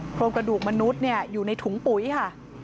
โครงกระดูกมนุษย์อยู่ในถุงปุ๋ยค่ะ